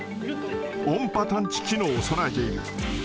音波探知機能を備えている。